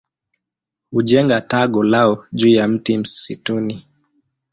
Hujenga tago lao juu ya mti msituni.